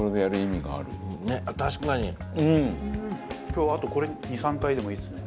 今日あとこれ２３回でもいいですね。